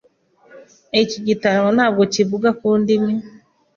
Iki gitabo ntabwo kivuga ku ndimi.